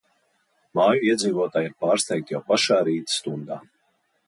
Māju iedzīvotāji ir pārsteigti jau pašā rīta stundā.